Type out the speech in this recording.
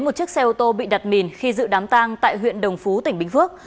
một chiếc xe ô tô bị đặt mìn khi dự đám tang tại huyện đồng phú tỉnh bình phước